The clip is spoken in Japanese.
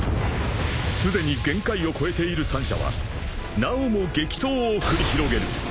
［すでに限界を超えている三者はなおも激闘を繰り広げる］